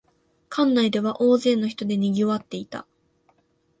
館内では大勢の人でにぎわっていた